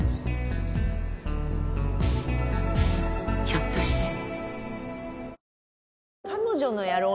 ひょっとして。